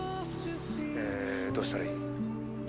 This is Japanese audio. えどうしたらいい？